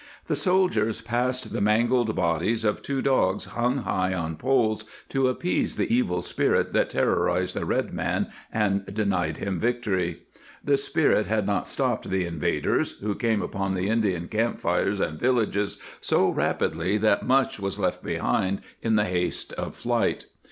* The soldiers passed the mangled bodies of two dogs, hung high on poles to appease the evil spirit that terrorized the red man and denied him vic tory.^ The Spirit had not stopped the invaders, who came upon the Indian camp fires and villages so rapidly that much was left behind in the haste of flight.